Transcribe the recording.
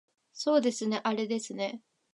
そうですねあれですね